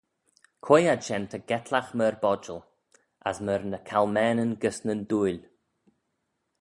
Quoi ad shen ta getlagh myr bodjal, as myr ny calmaneyn gys nyn dhuill?